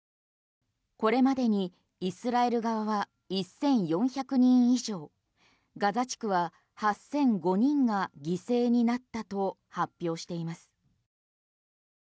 これまでにイスラエル側は１４００人以上ガザ地区は８００５人が犠牲になったと発表しています。